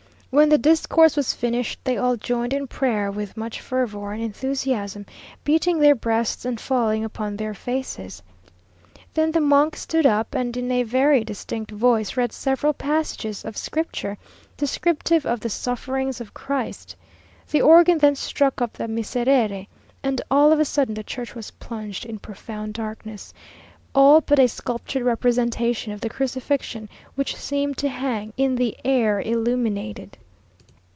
When the discourse was finished, they all joined in prayer with much fervour and enthusiasm, beating their breasts and falling upon their faces. Then the monk stood up, and in a very distinct voice, read several passages of scripture descriptive of the sufferings of Christ. The organ then struck up the Miserere, and all of a sudden the church was plunged in profound darkness; all but a sculptured representation of the Crucifixion, which seemed to hang in the air illuminated.